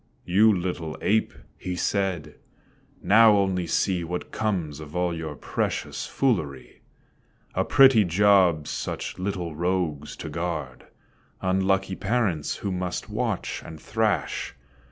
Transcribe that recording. "You little ape," he said, "now only see What comes of all your precious foolery; A pretty job such little rogues to guard. Unlucky parents who must watch and thrash.